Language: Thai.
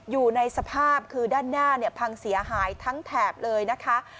อยู่ในสภาพคือด้านหน้าเนี่ยพังเสียหายทั้งแถบเลยนะคะ